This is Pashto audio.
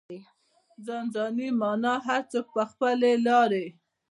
ځان ځاني مانا هر څوک په خپلې لارې.